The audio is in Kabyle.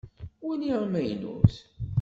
Wali amaynut!